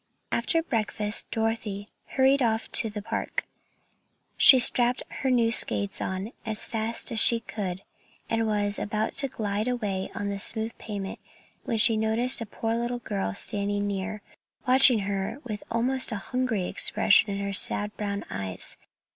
After breakfast Dorothy hurried off to the park. She strapped her skates on as fast as she could and was just about to glide away on the smooth pavement when she noticed a poor little girl standing near, watching her with almost a hungry expression in her sad brown eyes.